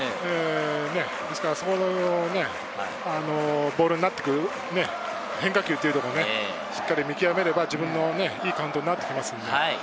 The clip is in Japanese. ですから、ボールになっていく変化球もしっかり見極めれば、自分のいいカウントになってきますから。